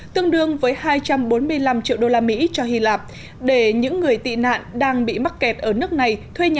tương đương với hai trăm bốn mươi năm triệu đô la mỹ